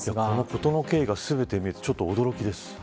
事の経緯が全て見えてちょっと驚きです。